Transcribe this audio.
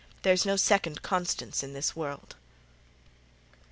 There's no second Constance in the world."